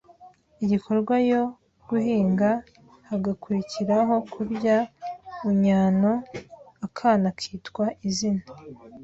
igikorwa yo guhinga hagakurikiraho kurya uunnyano akana kwita izina